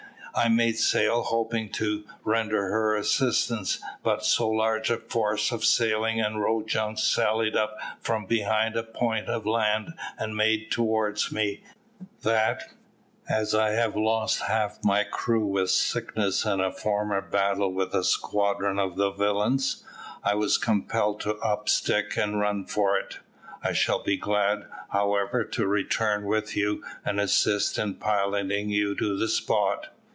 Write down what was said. I made sail, hoping to render her assistance; but so large a force of sailing and row junks sallied out from behind a point of land and made towards me, that, as I have lost half my crew with sickness and a former battle with a squadron of the villains, I was compelled to up stick and run for it. I shall be glad, however, to return with you, and assist in piloting you to the spot."